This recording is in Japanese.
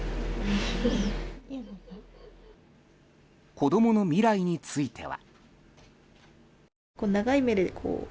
子供の未来については。